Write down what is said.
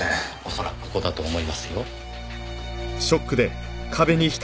恐らくここだと思いますよ。